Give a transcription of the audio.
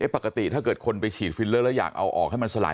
ปกติถ้าเกิดคนไปฉีดฟิลเลอร์แล้วอยากเอาออกให้มันสลาย